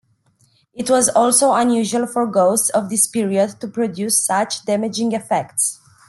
It was also unusual for ghosts of this period to produce such damaging effects.